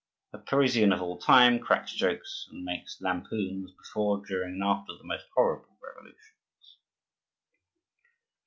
The Parisian of all time cracks jokes and makes lampoons before, during, and after the most horrible revolutions.